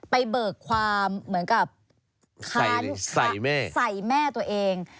ไปเบิกความเหมือนกับใส่แม่ตัวเอง